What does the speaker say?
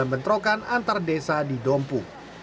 bentrokan antar desa di dompu